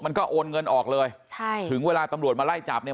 โอนเงินออกเลยใช่ถึงเวลาตำรวจมาไล่จับเนี่ย